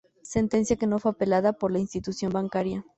Sentencia que no fue apelada por la institución bancaria.